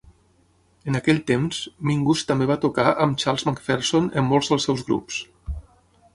En aquell temps, Mingus també va tocar amb Charles McPherson en molts dels seus grups.